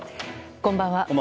こんばんは。